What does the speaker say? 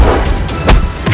aku akan menangkap dia